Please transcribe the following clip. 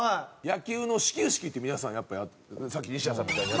野球の始球式って皆さんやっぱさっきの西田さんみたいに。